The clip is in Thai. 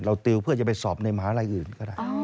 ติวเพื่อจะไปสอบในมหาลัยอื่นก็ได้